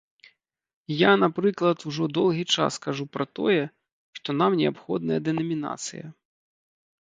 Я, напрыклад, ужо доўгі час кажу пра тое, што нам неабходная дэнамінацыя.